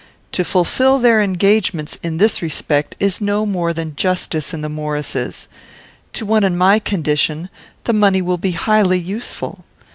To fulfil their engagements, in this respect, is no more than justice in the Maurices. To one in my condition the money will be highly useful.